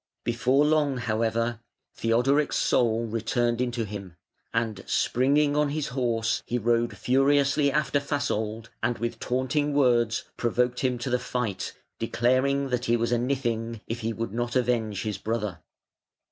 Before long, however, Theodoric's soul returned into him, and springing on his horse he rode furiously after Fasold, and with taunting words provoked him to the fight, declaring that he was a "Nithing" if he would not avenge his brother.